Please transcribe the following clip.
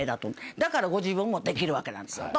だからご自分もできるわけなんですよ。